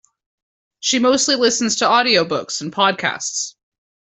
She mostly listens to audiobooks and podcasts